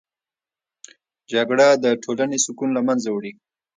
جګړه د ټولنې سکون له منځه وړي